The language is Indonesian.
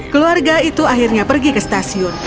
keluarga itu akhirnya pergi ke stasiun